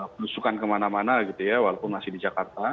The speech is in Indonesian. penusukan kemana mana gitu ya walaupun masih di jakarta